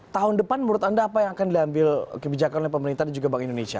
tahun depan menurut anda apa yang akan diambil kebijakan oleh pemerintah dan juga bank indonesia